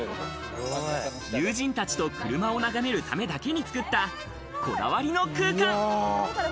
友人たちと車を眺めるためだけに作った、こだわりの空間。